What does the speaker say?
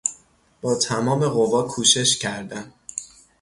با تمام قوا کوشش کردن